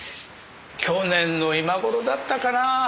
去年の今頃だったかなあ。